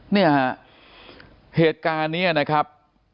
เนี่ยฮะเหตุการณ์นี้นะครับ